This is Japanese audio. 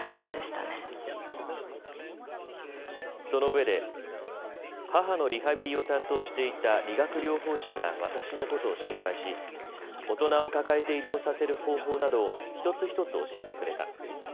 そのうえで母のリハビリを担当していた理学療法士が私のことを心配し大人を抱えて移動させる方法などを一つ一つ教えてくれた。